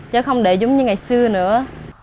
chứ không để giống như ngày xưa nữa